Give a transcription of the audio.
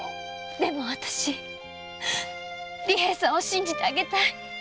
でもあたし利平さんを信じてあげたい。